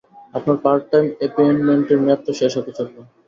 আপনার part time অ্যাপিয়েন্টমেন্টের মেয়াদ তো শেষ হতে চলল।